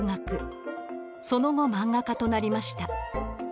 その後漫画家となりました。